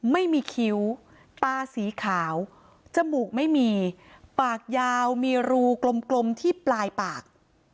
ไม่มีคิ้วตาสีขาวจมูกไม่มีปากยาวมีรูกลมที่ปลายปาก